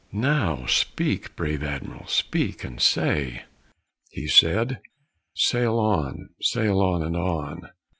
Now speak, brave Adm'r'l; speak and say " He said: "Sail on! sail on! and on!"